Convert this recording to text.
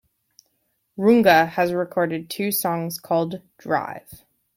Runga has recorded two songs called "Drive".